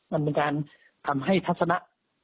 มันเป็นการทำให้ทัศนะ